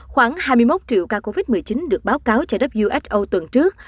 khoảng hai mươi một triệu ca covid một mươi chín được báo cáo trên who tuần trước